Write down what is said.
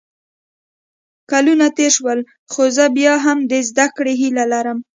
کلونه تېر شول خو زه بیا هم د زده کړې هیله لرم